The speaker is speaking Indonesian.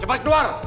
cepetan deh keluar